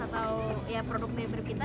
atau produk mirip mirip kita